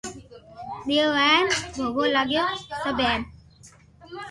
ديديو ھين يوا لگيو ڪو آ سب